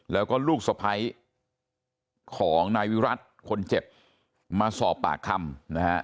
แล้วก็ลูกสะพ้ายของนายวิรัติคนเจ็บมาสอบปากคำนะฮะ